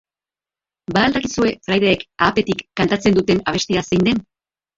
Ba al dakizue fraideek ahapetik kantatzen duten abestia zein den?